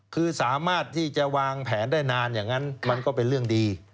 คือสามารถที่จะวางแผนได้นานอย่างนั้นมันก็เป็นเรื่องดี